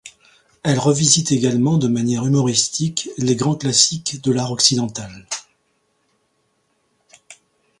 Elle revisite également de manière humoristique les grands classiques de l'art occidental.